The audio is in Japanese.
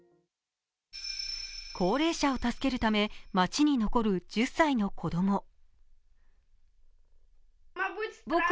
高齢者を助けるため、街に残る１０歳の子供。